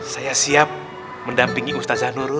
saya siap mendampingi ustad zanurul